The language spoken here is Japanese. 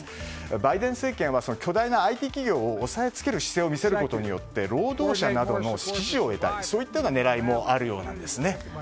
バイデン政権は巨大なＩＴ企業を押さえつける姿勢を見せることで労働者などの支持を得たいそういったような狙いもあるようなんですね。